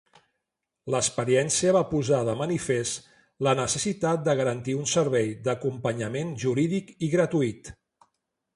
L'experiència va posar de manifest la necessitat de garantir un servei d'acompanyament jurídic gratuït.